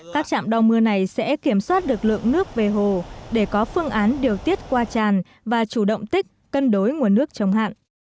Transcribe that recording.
các trạm đo mưa này sẽ kiểm soát được lượng nước về hồ để có phương án điều tiết qua tràn và chủ động tích cân đối nguồn nước chống hạn